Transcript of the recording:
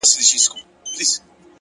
د تجربې ښوونځی تل پرانیستی وي’